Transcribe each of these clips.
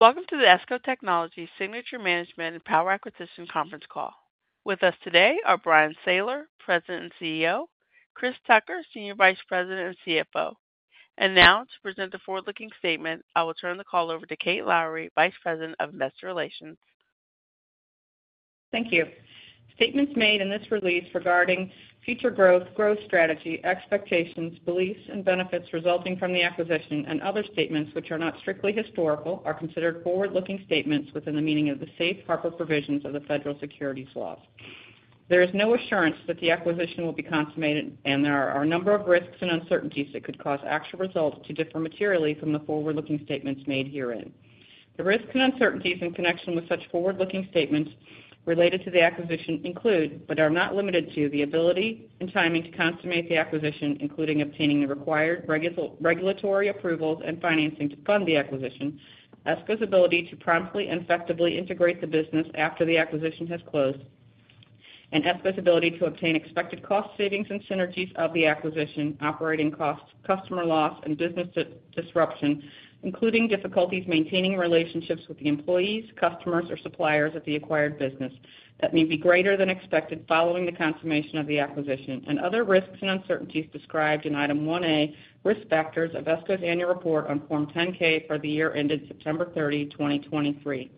Welcome to the ESCO Technologies Signature Management & Power Acquisition conference call. With us today are Bryan Sayler, President and CEO, Chris Tucker, Senior Vice President and CFO. And now, to present the forward-looking statement, I will turn the call over to Kate Lowrey, Vice President of Investor Relations. Thank you. Statements made in this release regarding future growth, growth strategy, expectations, beliefs, and benefits resulting from the acquisition, and other statements which are not strictly historical, are considered forward-looking statements within the meaning of the safe harbor provisions of the federal securities laws. There is no assurance that the acquisition will be consummated, and there are a number of risks and uncertainties that could cause actual results to differ materially from the forward-looking statements made herein. The risks and uncertainties in connection with such forward-looking statements related to the acquisition include, but are not limited to, the ability and timing to consummate the acquisition, including obtaining the required regulatory approvals and financing to fund the acquisition, ESCO's ability to promptly and effectively integrate the business after the acquisition has closed, and ESCO's ability to obtain expected cost savings and synergies of the acquisition, operating costs, customer loss, and business disruption, including difficulties maintaining relationships with the employees, customers, or suppliers of the acquired business that may be greater than expected following the consummation of the acquisition, and other risks and uncertainties described in Item 1A, Risk Factors of ESCO's Annual Report on Form 10-K for the year ended September 30, 2023.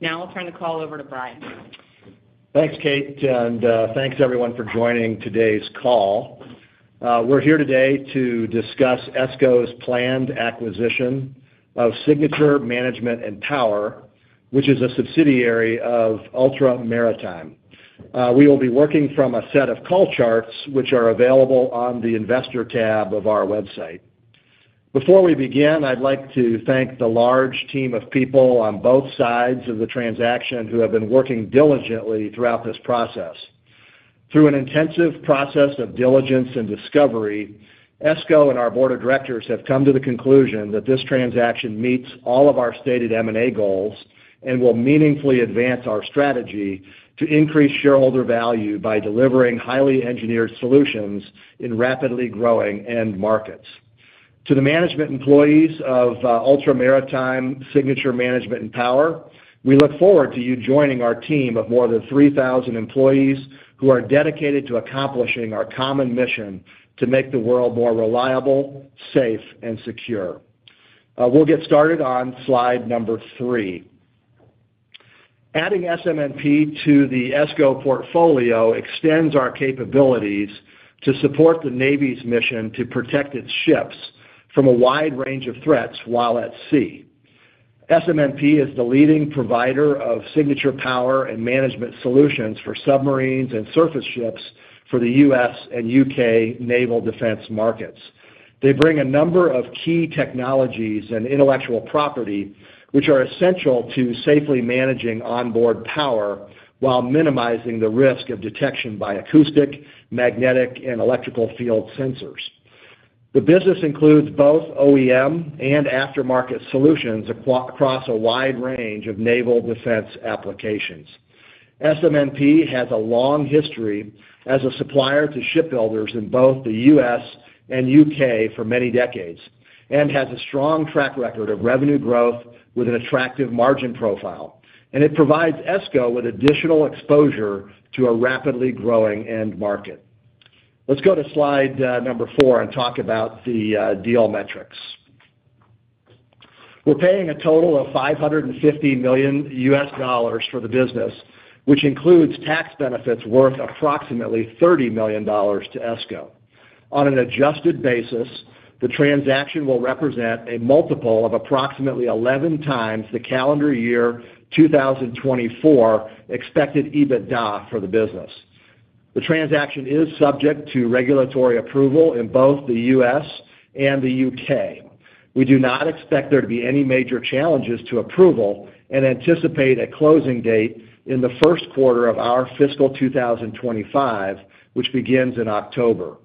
Now I'll turn the call over to Bryan. Thanks, Kate, and thanks, everyone, for joining today's call. We're here today to discuss ESCO's planned acquisition of Signature Management & Power, which is a subsidiary of Ultra Maritime. We will be working from a set of call charts, which are available on the Investor tab of our website. Before we begin, I'd like to thank the large team of people on both sides of the transaction who have been working diligently throughout this process. Through an intensive process of diligence and discovery, ESCO and our board of directors have come to the conclusion that this transaction meets all of our stated M&A goals and will meaningfully advance our strategy to increase shareholder value by delivering highly engineered solutions in rapidly growing end markets. To the management employees of Ultra Maritime Signature Management & Power, we look forward to you joining our team of more than 3,000 employees who are dedicated to accomplishing our common mission to make the world more reliable, safe, and secure. We'll get started on slide number three. Adding SM&P to the ESCO portfolio extends our capabilities to support the Navy's mission to protect its ships from a wide range of threats while at sea. SM&P is the leading provider of signature power and management solutions for submarines and surface ships for the U.S. and U.K. naval defense markets. They bring a number of key technologies and intellectual property, which are essential to safely managing onboard power while minimizing the risk of detection by acoustic, magnetic, and electrical field sensors. The business includes both OEM and aftermarket solutions across a wide range of naval defense applications. SM&P has a long history as a supplier to shipbuilders in both the U.S. and U.K. for many decades, and has a strong track record of revenue growth with an attractive margin profile, and it provides ESCO with additional exposure to a rapidly growing end market. Let's go to slide number four and talk about the deal metrics. We're paying a total of $550 million for the business, which includes tax benefits worth approximately $30 million to ESCO. On an adjusted basis, the transaction will represent a multiple of approximately 11x the calendar year 2024 expected EBITDA for the business. The transaction is subject to regulatory approval in both the U.S. and the U.K. We do not expect there to be any major challenges to approval and anticipate a closing date in the first quarter of our fiscal 2025, which begins in October.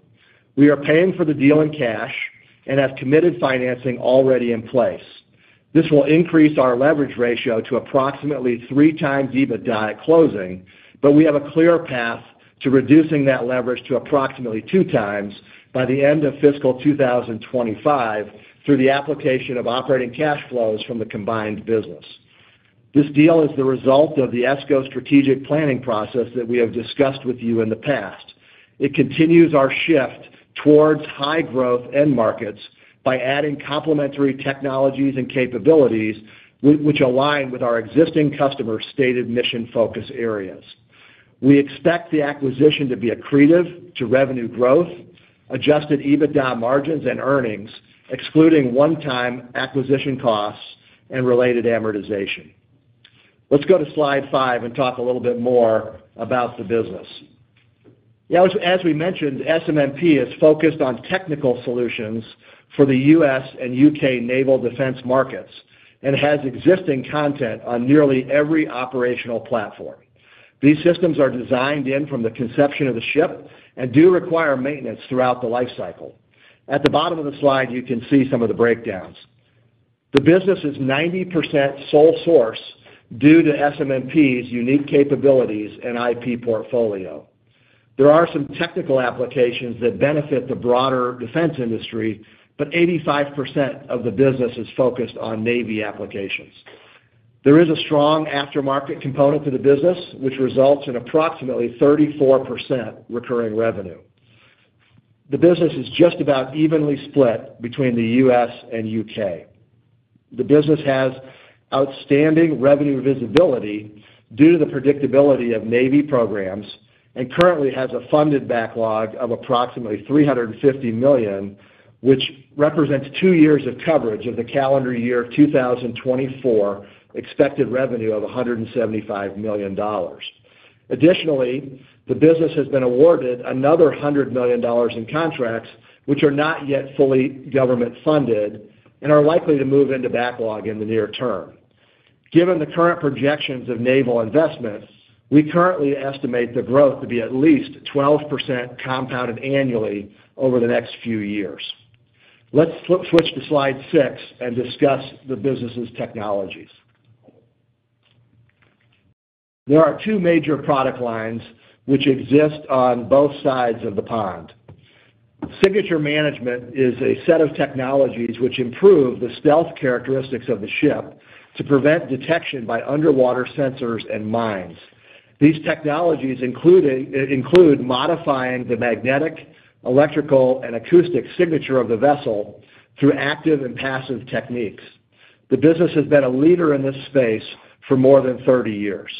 We are paying for the deal in cash and have committed financing already in place. This will increase our leverage ratio to approximately 3x EBITDA at closing, but we have a clear path to reducing that leverage to approximately 2x by the end of fiscal 2025 through the application of operating cash flows from the combined business. This deal is the result of the ESCO strategic planning process that we have discussed with you in the past. It continues our shift towards high-growth end markets by adding complementary technologies and capabilities which align with our existing customer's stated mission focus areas. We expect the acquisition to be accretive to revenue growth, Adjusted EBITDA margins, and earnings, excluding one-time acquisition costs and related amortization. Let's go to slide five and talk a little bit more about the business. Now, as we mentioned, SM&P is focused on technical solutions for the U.S. and U.K. naval defense markets and has existing content on nearly every operational platform. These systems are designed in from the conception of the ship and do require maintenance throughout the life cycle. At the bottom of the slide, you can see some of the breakdowns. The business is 90% sole source due to SM&P's unique capabilities and IP portfolio.... There are some technical applications that benefit the broader defense industry, but 85% of the business is focused on Navy applications. There is a strong aftermarket component to the business, which results in approximately 34% recurring revenue. The business is just about evenly split between the U.S. and U.K. The business has outstanding revenue visibility due to the predictability of Navy programs, and currently has a funded backlog of approximately $350 million, which represents two years of coverage of the calendar year of 2024, expected revenue of $175 million. Additionally, the business has been awarded another $100 million in contracts, which are not yet fully government-funded and are likely to move into backlog in the near term. Given the current projections of naval investments, we currently estimate the growth to be at least 12% compounded annually over the next few years. Let's switch to slide 6 and discuss the business's technologies. There are two major product lines which exist on both sides of the pond. Signature management is a set of technologies which improve the stealth characteristics of the ship to prevent detection by underwater sensors and mines. These technologies include modifying the magnetic, electrical, and acoustic signature of the vessel through active and passive techniques. The business has been a leader in this space for more than 30 years.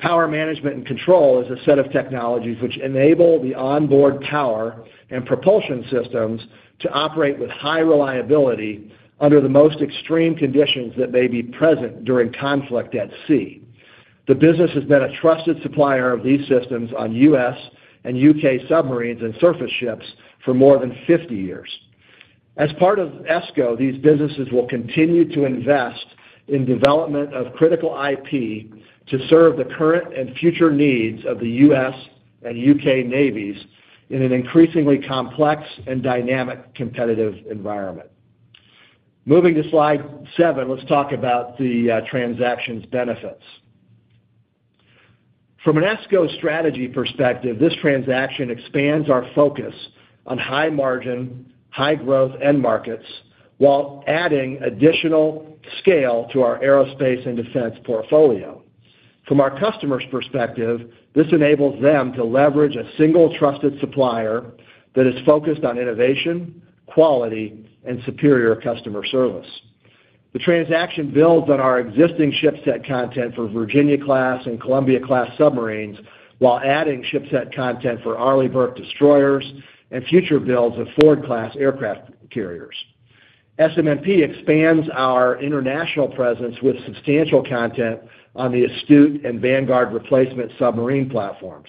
Power management and control is a set of technologies which enable the onboard power and propulsion systems to operate with high reliability under the most extreme conditions that may be present during conflict at sea. The business has been a trusted supplier of these systems on U.S. and U.K. submarines and surface ships for more than 50 years. As part of ESCO, these businesses will continue to invest in development of critical IP to serve the current and future needs of the U.S. and U.K. Navies in an increasingly complex and dynamic competitive environment. Moving to slide seven, let's talk about the transaction's benefits. From an ESCO strategy perspective, this transaction expands our focus on high margin, high growth end markets, while adding additional scale to our aerospace and defense portfolio. From our customer's perspective, this enables them to leverage a single trusted supplier that is focused on innovation, quality, and superior customer service. The transaction builds on our existing shipset content for Virginia-class and Columbia-class submarines, while adding shipset content for Arleigh Burke destroyers and future builds of Ford-class aircraft carriers. SM&P expands our international presence with substantial content on the Astute and Vanguard replacement submarine platforms.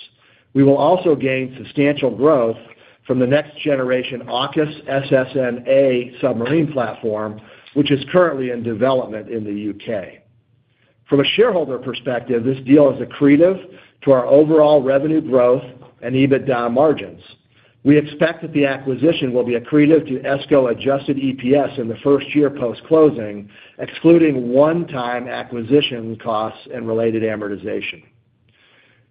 We will also gain substantial growth from the next generation AUKUS SSN-A submarine platform, which is currently in development in the U.K. From a shareholder perspective, this deal is accretive to our overall revenue growth and EBITDA margins. We expect that the acquisition will be accretive to ESCO Adjusted EPS in the first year post-closing, excluding one-time acquisition costs and related amortization.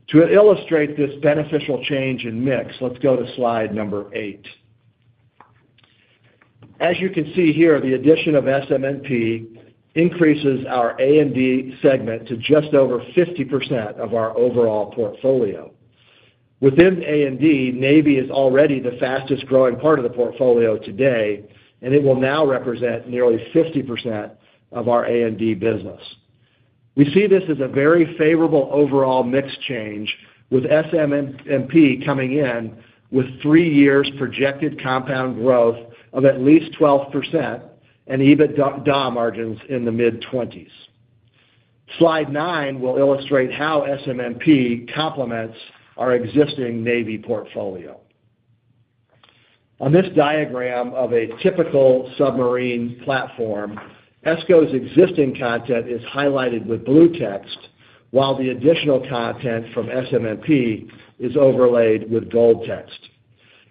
To illustrate this beneficial change in mix, let's go to slide eight. As you can see here, the addition of SM&P increases our A&D segment to just over 50% of our overall portfolio. Within A&D, Navy is already the fastest-growing part of the portfolio today, and it will now represent nearly 50% of our A&D business. We see this as a very favorable overall mix change, with SM&P coming in with three years projected compound growth of at least 12% and EBITDA margins in the mid-20s. Slide nine will illustrate how SM&P complements our existing Navy portfolio. On this diagram of a typical submarine platform, ESCO's existing content is highlighted with blue text, while the additional content from SM&P is overlaid with gold text.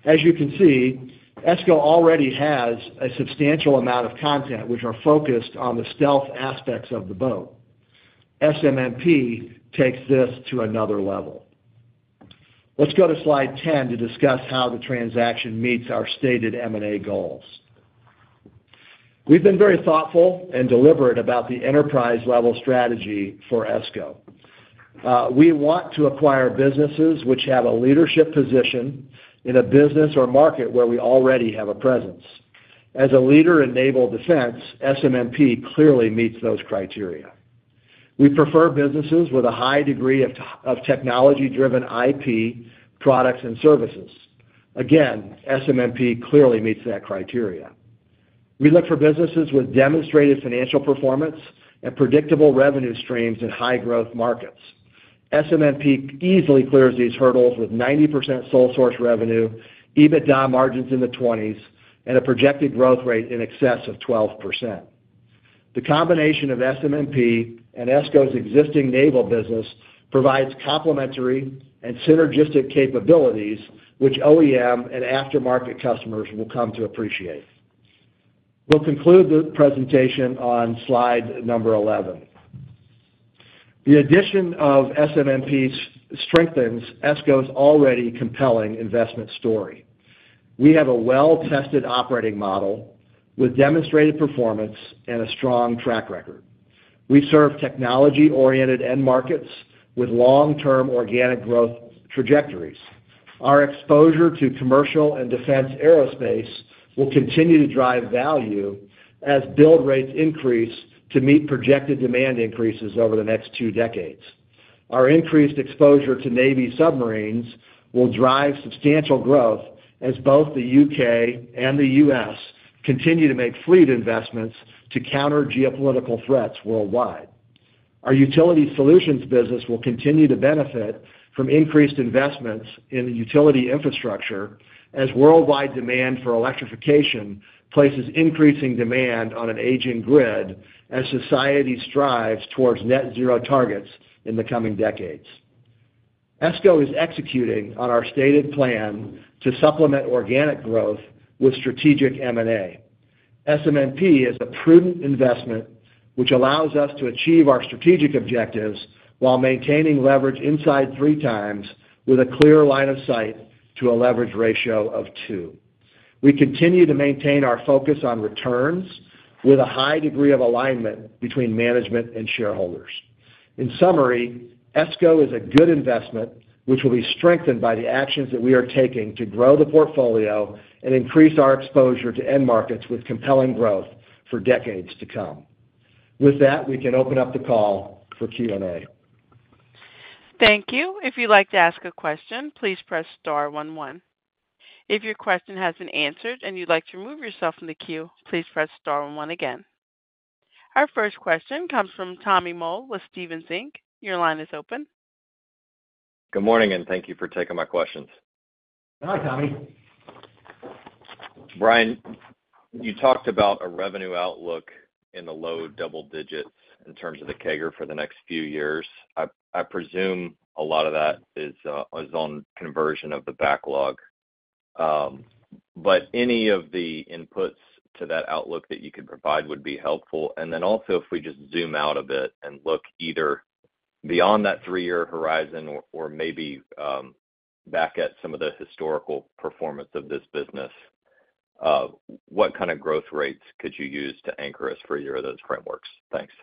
As you can see, ESCO already has a substantial amount of content, which are focused on the stealth aspects of the boat. SM&P takes this to another level. Let's go to slide 10 to discuss how the transaction meets our stated M&A goals. We've been very thoughtful and deliberate about the enterprise-level strategy for ESCO. We want to acquire businesses which have a leadership position in a business or market where we already have a presence. As a leader in naval defense, SM&P clearly meets those criteria. We prefer businesses with a high degree of technology-driven IP, products, and services. Again, SM&P clearly meets that criteria. We look for businesses with demonstrated financial performance and predictable revenue streams in high-growth markets. SM&P easily clears these hurdles with 90% sole source revenue, EBITDA margins in the twenties, and a projected growth rate in excess of 12%. The combination of SM&P and ESCO's existing naval business provides complementary and synergistic capabilities, which OEM and aftermarket customers will come to appreciate. We'll conclude the presentation on slide number 11. The addition of SM&P's strengthens ESCO's already compelling investment story. We have a well-tested operating model with demonstrated performance and a strong track record. We serve technology-oriented end markets with long-term organic growth trajectories. Our exposure to commercial and defense aerospace will continue to drive value as build rates increase to meet projected demand increases over the next two decades. Our increased exposure to Navy submarines will drive substantial growth as both the U.K. and the U.S. continue to make fleet investments to counter geopolitical threats worldwide. Our utility solutions business will continue to benefit from increased investments in the utility infrastructure as worldwide demand for electrification places increasing demand on an aging grid, as society strives towards net zero targets in the coming decades. ESCO is executing on our stated plan to supplement organic growth with strategic M&A. SM&P is a prudent investment, which allows us to achieve our strategic objectives while maintaining leverage inside 3x with a clear line of sight to a leverage ratio of 2x. We continue to maintain our focus on returns with a high degree of alignment between management and shareholders. In summary, ESCO is a good investment, which will be strengthened by the actions that we are taking to grow the portfolio and increase our exposure to end markets with compelling growth for decades to come. With that, we can open up the call for Q&A. Thank you. If you'd like to ask a question, please press star one one. If your question has been answered and you'd like to remove yourself from the queue, please press star one one again. Our first question comes from Tommy Moll with Stephens Inc. Your line is open. Good morning, and thank you for taking my questions. Hi, Tommy. Bryan, you talked about a revenue outlook in the low double digits in terms of the CAGR for the next few years. I, I presume a lot of that is, is on conversion of the backlog. But any of the inputs to that outlook that you could provide would be helpful. And then also, if we just zoom out a bit and look either beyond that three-year horizon or, or maybe, back at some of the historical performance of this business, what kind of growth rates could you use to anchor us for either of those frameworks? Thanks.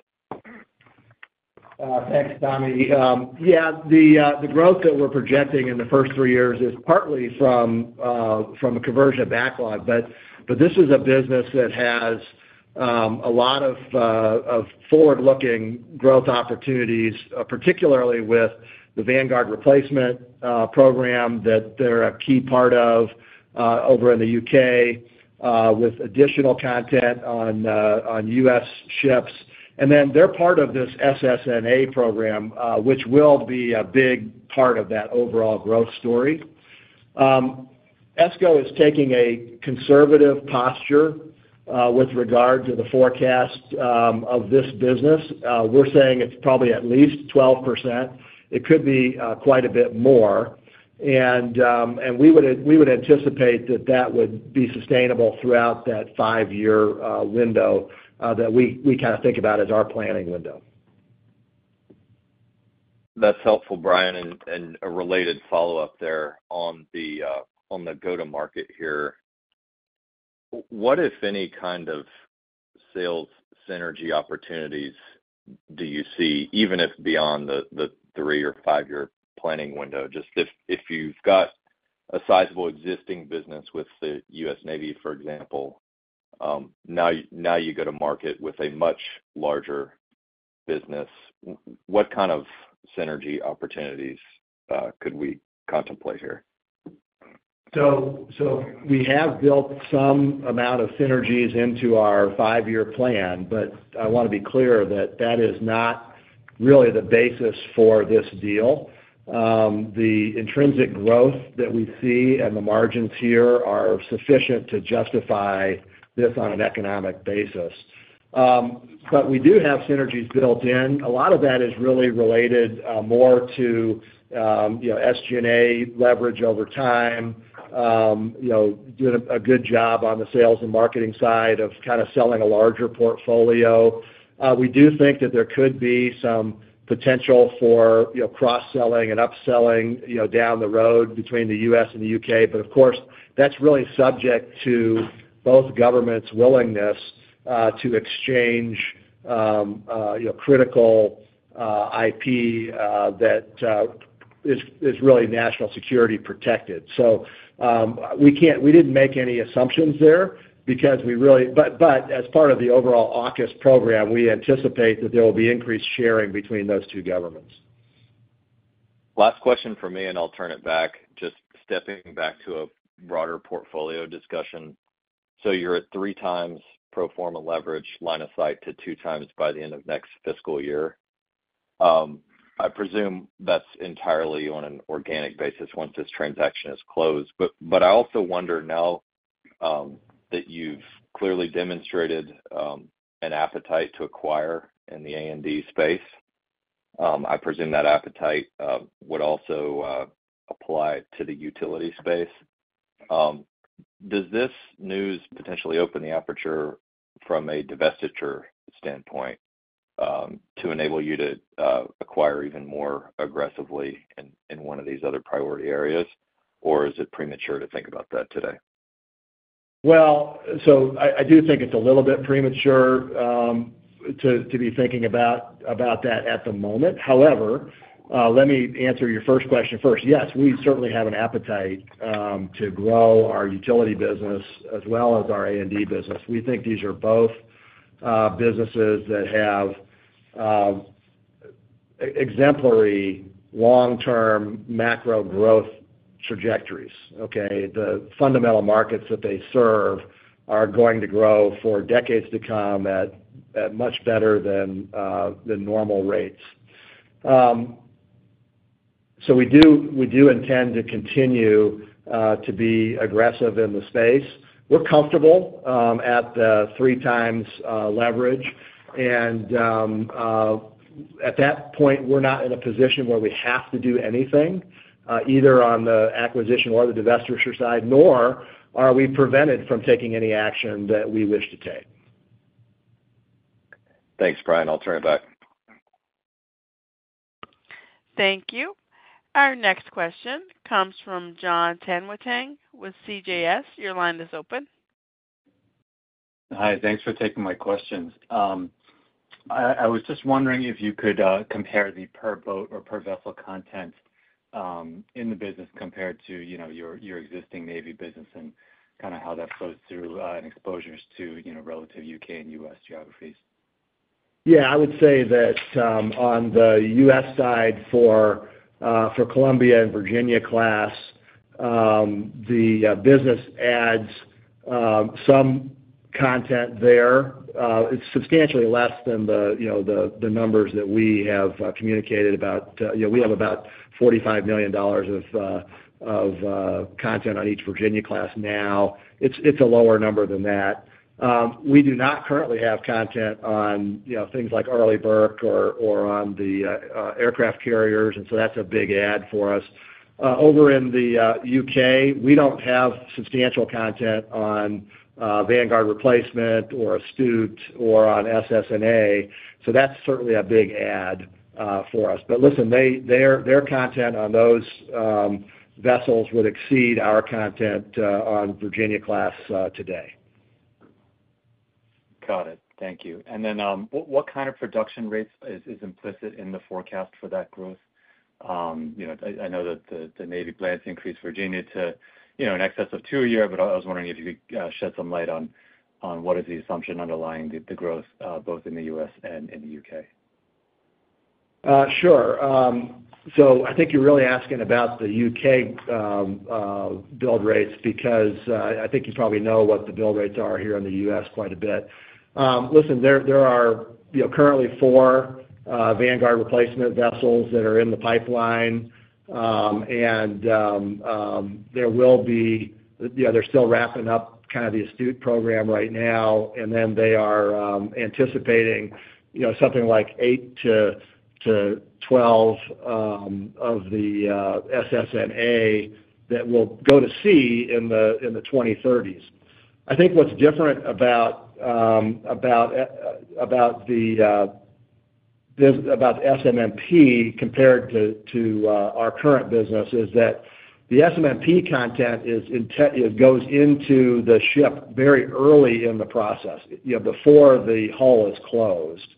Thanks, Tommy. Yeah, the growth that we're projecting in the first three years is partly from a conversion of backlog, but this is a business that has a lot of forward-looking growth opportunities, particularly with the Vanguard replacement program that they're a key part of over in the U.K., with additional content on U.S. ships. And then they're part of this SSN-AUKUS program, which will be a big part of that overall growth story. ESCO is taking a conservative posture with regard to the forecast of this business. We're saying it's probably at least 12%. It could be quite a bit more. And we would anticipate that that would be sustainable throughout that five-year window that we kind of think about as our planning window. That's helpful, Bryan, and a related follow-up there on the go-to-market here. What, if any, kind of sales synergy opportunities do you see, even if beyond the three- or five-year planning window? Just if you've got a sizable existing business with the U.S. Navy, for example, now you go to market with a much larger business, what kind of synergy opportunities could we contemplate here? So we have built some amount of synergies into our five-year plan, but I want to be clear that that is not really the basis for this deal. The intrinsic growth that we see and the margins here are sufficient to justify this on an economic basis. But we do have synergies built in. A lot of that is really related more to, you know, SG&A leverage over time, you know, doing a good job on the sales and marketing side of kind of selling a larger portfolio. We do think that there could be some potential for, you know, cross-selling and upselling, you know, down the road between the U.S. and the U.K. But of course, that's really subject to both governments' willingness to exchange, you know, critical IP that is really national security protected. So, we can't. We didn't make any assumptions there because, but as part of the overall AUKUS program, we anticipate that there will be increased sharing between those two governments. Last question from me, and I'll turn it back. Just stepping back to a broader portfolio discussion. So you're at 3x pro forma leverage line of sight to 2x by the end of next fiscal year. I presume that's entirely on an organic basis once this transaction is closed. But, but I also wonder now, that you've clearly demonstrated, an appetite to acquire in the A&D space... I presume that appetite would also apply to the utility space. Does this news potentially open the aperture from a divestiture standpoint, to enable you to acquire even more aggressively in one of these other priority areas? Or is it premature to think about that today? Well, so I do think it's a little bit premature to be thinking about that at the moment. However, let me answer your first question first. Yes, we certainly have an appetite to grow our utility business as well as our A&D business. We think these are both businesses that have exemplary long-term macro growth trajectories, okay? The fundamental markets that they serve are going to grow for decades to come at much better than the normal rates. So we do intend to continue to be aggressive in the space. We're comfortable at the 3x leverage. At that point, we're not in a position where we have to do anything, either on the acquisition or the divestiture side, nor are we prevented from taking any action that we wish to take. Thanks, Bryan. I'll turn it back. Thank you. Our next question comes from Jon Tanwanteng with CJS. Your line is open. Hi, thanks for taking my questions. I was just wondering if you could compare the per boat or per vessel content in the business compared to, you know, your existing Navy business and kind of how that flows through, and exposures to, you know, relative U.K. and U.S. geographies. Yeah, I would say that on the U.S. side for Columbia-class and Virginia-class, the business adds some content there. It's substantially less than the, you know, the numbers that we have communicated about. You know, we have about $45 million of content on each Virginia-class now. It's a lower number than that. We do not currently have content on, you know, things like Arleigh Burke or on the aircraft carriers, and so that's a big add for us. Over in the U.K., we don't have substantial content on Vanguard replacement or Astute or on SSN-AUKUS, so that's certainly a big add for us. But listen, their content on those vessels would exceed our content on Virginia-class today. Got it. Thank you. And then, what kind of production rates is implicit in the forecast for that growth? You know, I know that the Navy plans to increase Virginia to, you know, in excess of two a year, but I was wondering if you could shed some light on what is the assumption underlying the growth, both in the U.S. and in the U.K. Sure. So I think you're really asking about the U.K. build rates, because I think you probably know what the build rates are here in the U.S. quite a bit. Listen, there are, you know, currently four Vanguard replacement vessels that are in the pipeline. And there will be... Yeah, they're still wrapping up kind of the Astute program right now, and then they are anticipating, you know, something like eight to 12 of the SSN-AUKUS that will go to sea in the 2030s. I think what's different about SM&P compared to our current business is that the SM&P content goes into the ship very early in the process, you know, before the hull is closed.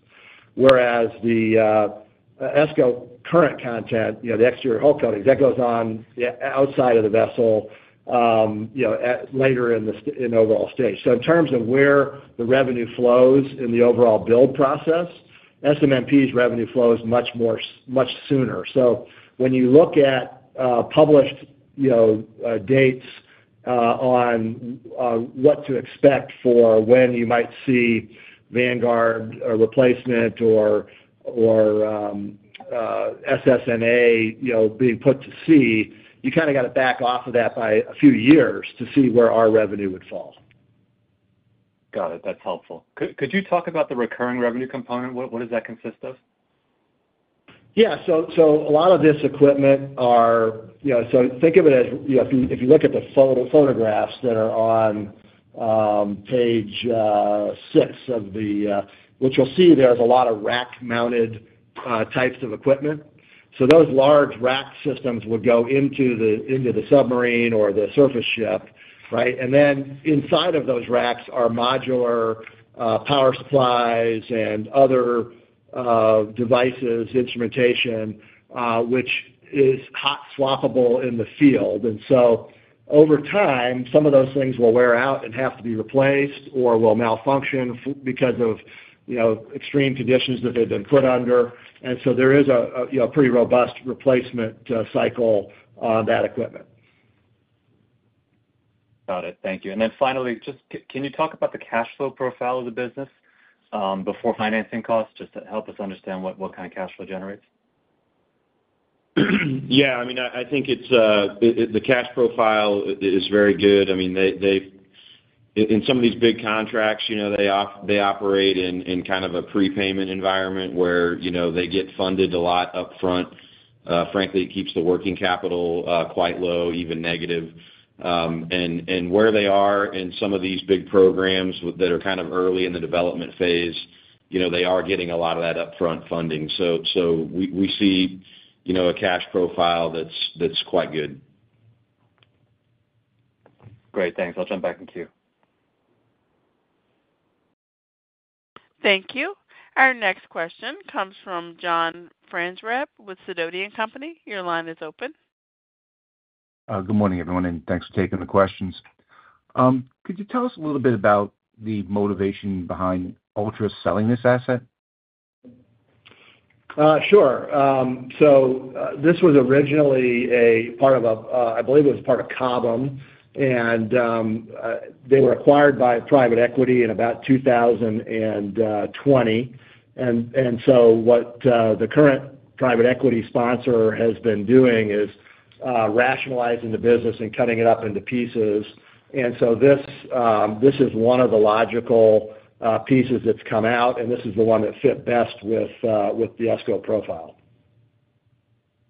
Whereas the ESCO current content, you know, the exterior hull coatings, that goes on, yeah, outside of the vessel, you know, later in the overall stage. So in terms of where the revenue flows in the overall build process, SM&P's revenue flow is much more much sooner. So when you look at published, you know, dates on what to expect for when you might see Vanguard replacement or SSN-AUKUS, you know, being put to sea, you kind of got to back off of that by a few years to see where our revenue would fall. Got it. That's helpful. Could you talk about the recurring revenue component? What does that consist of? Yeah. So a lot of this equipment are, you know. So think of it as, you know, if you, if you look at the photographs that are on page six of the. What you'll see, there's a lot of rack-mounted types of equipment. So those large rack systems would go into the submarine or the surface ship, right? And then inside of those racks are modular power supplies and other devices, instrumentation, which is hot swappable in the field. And so over time, some of those things will wear out and have to be replaced, or will malfunction because of, you know, extreme conditions that they've been put under. And so there is a, you know, pretty robust replacement cycle on that equipment. Got it. Thank you. And then finally, just can you talk about the cash flow profile of the business, before financing costs, just to help us understand what kind of cash flow generates? Yeah, I mean, I think it's the cash profile is very good. I mean, they-- in some of these big contracts, you know, they operate in kind of a prepayment environment where, you know, they get funded a lot upfront. Frankly, it keeps the working capital quite low, even negative. And where they are in some of these big programs that are kind of early in the development phase, you know, they are getting a lot of that upfront funding. So we see, you know, a cash profile that's quite good. Great, thanks. I'll jump back in queue. Thank you. Our next question comes from John Franzreb with Sidoti & Company. Your line is open. Good morning, everyone, and thanks for taking the questions. Could you tell us a little bit about the motivation behind Ultra selling this asset? Sure. So, this was originally a part of a, I believe it was part of Cobham, and they were acquired by private equity in about 2020. So what the current private equity sponsor has been doing is rationalizing the business and cutting it up into pieces. So this is one of the logical pieces that's come out, and this is the one that fit best with the ESCO profile.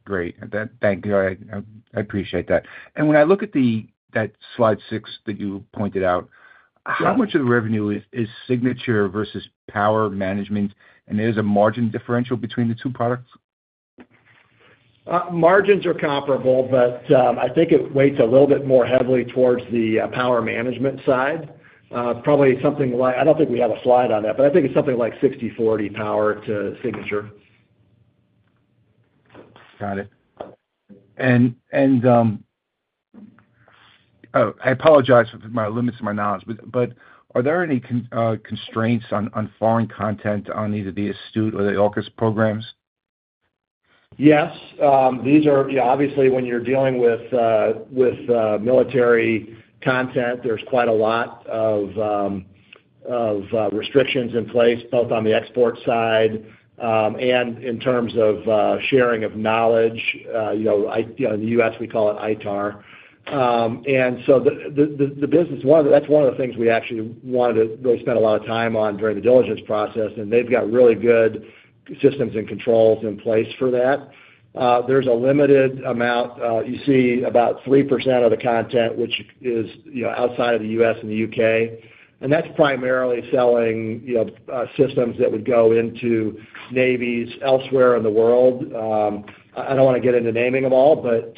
Great. And then thank you. I, I appreciate that. And when I look at the—that slide six that you pointed out- Yeah. How much of the revenue is signature versus power management, and there's a margin differential between the two products? Margins are comparable, but I think it weighs a little bit more heavily towards the power management side. Probably something like... I don't think we have a slide on that, but I think it's something like 60/40 power to signature. Got it. And, oh, I apologize for the limits of my knowledge, but are there any constraints on foreign content on either the Astute or the AUKUS programs? Yes. These are, yeah, obviously, when you're dealing with military content, there's quite a lot of restrictions in place, both on the export side, and in terms of sharing of knowledge, you know, in the U.S., we call it ITAR. And so the business. One of the things we actually wanted to really spend a lot of time on during the diligence process, and they've got really good systems and controls in place for that. There's a limited amount, you see about 3% of the content, which is, you know, outside of the U.S. and the U.K., and that's primarily selling, you know, systems that would go into navies elsewhere in the world. I don't wanna get into naming them all, but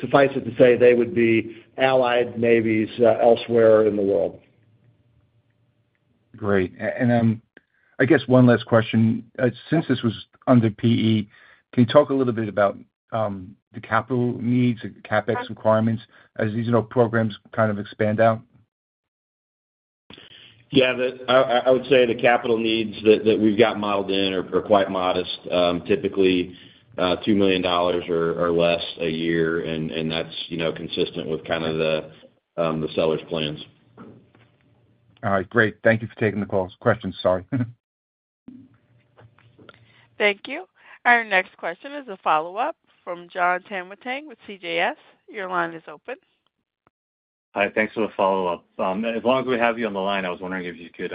suffice it to say, they would be allied navies elsewhere in the world. Great. And, I guess one last question. Since this was under PE, can you talk a little bit about the capital needs and CapEx requirements as these, you know, programs kind of expand out? Yeah, I would say the capital needs that we've got modeled in are quite modest, typically $2 million or less a year, and that's, you know, consistent with kind of the seller's plans. All right, great. Thank you for taking the call, questions, sorry. Thank you. Our next question is a follow-up from Jon Tanwanteng with CJS. Your line is open. Hi, thanks for the follow-up. As long as we have you on the line, I was wondering if you could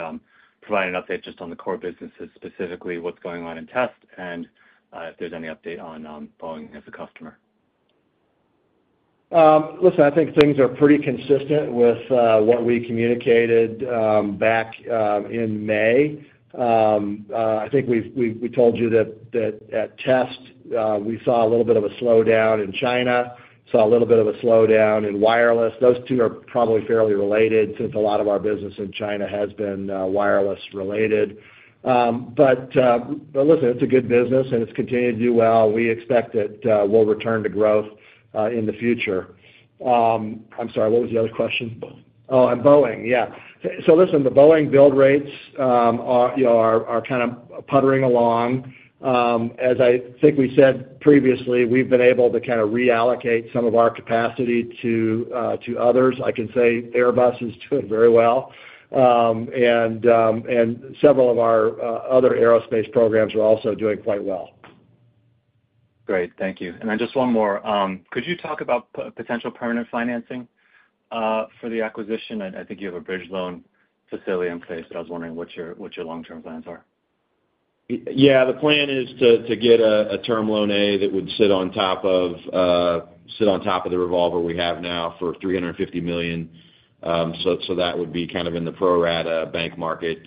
provide an update just on the core businesses, specifically what's going on in test, and if there's any update on Boeing as a customer. Listen, I think things are pretty consistent with what we communicated back in May. I think we've told you that at Test we saw a little bit of a slowdown in China, saw a little bit of a slowdown in wireless. Those two are probably fairly related, since a lot of our business in China has been wireless related. But listen, it's a good business, and it's continued to do well. We expect that we'll return to growth in the future. I'm sorry, what was the other question? Oh, and Boeing. Yeah. So listen, the Boeing build rates are, you know, kind of puttering along. As I think we said previously, we've been able to kind of reallocate some of our capacity to others. I can say Airbus is doing very well. Several of our other aerospace programs are also doing quite well. Great, thank you. And then just one more. Could you talk about potential permanent financing for the acquisition? I think you have a bridge loan facility in place, but I was wondering what your long-term plans are. Yeah, the plan is to get a term loan A that would sit on top of the revolver we have now for $350 million. So that would be kind of in the pro rata bank market.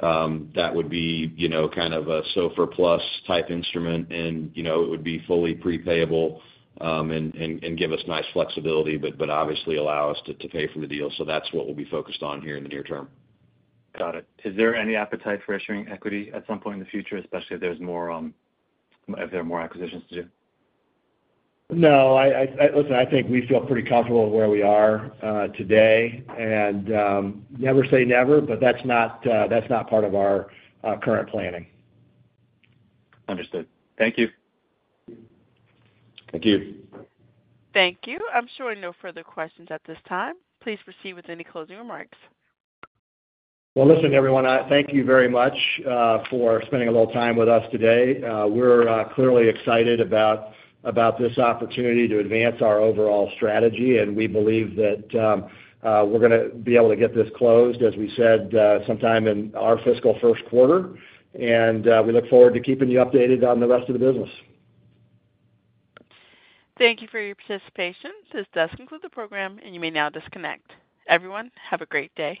That would be, you know, kind of a SOFR plus type instrument, and, you know, it would be fully pre-payable, and give us nice flexibility, but obviously allow us to pay for the deal. So that's what we'll be focused on here in the near term. Got it. Is there any appetite for issuing equity at some point in the future, especially if there's more, if there are more acquisitions to do? No, listen, I think we feel pretty comfortable where we are today, and never say never, but that's not part of our current planning. Understood. Thank you. Thank you. Thank you. I'm showing no further questions at this time. Please proceed with any closing remarks. Well, listen, everyone, thank you very much for spending a little time with us today. We're clearly excited about this opportunity to advance our overall strategy, and we believe that we're gonna be able to get this closed, as we said, sometime in our fiscal first quarter. And we look forward to keeping you updated on the rest of the business. Thank you for your participation. This does conclude the program, and you may now disconnect. Everyone, have a great day.